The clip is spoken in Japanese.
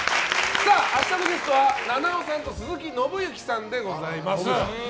明日のゲストは菜々緒さんと鈴木伸之さんです。